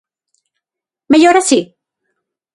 ¿Mellor así?